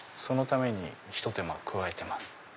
そのためにひと手間加えてます。